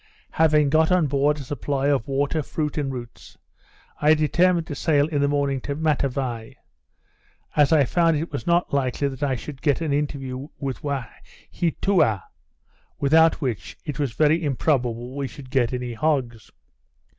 Having got on board a supply of water, fruit, and roots, I determined to sail in the morning to Matavai, as I found it was not likely that I should get an interview with Waheatoua, without which, it was very improbable we should get any hogs.